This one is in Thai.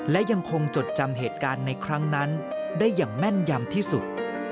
และยังคงจดจำเหตุการณ์ในครั้งนั้นได้อย่างแม่นยำที่สุด